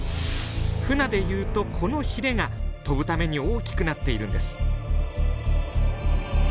フナで言うとこのひれが飛ぶために大きくなっているんです。